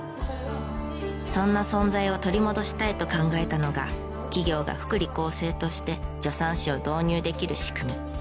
そんな存在を取り戻したいと考えたのが企業が福利厚生として助産師を導入できる仕組み。